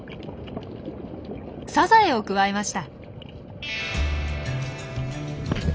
サザエをくわえました。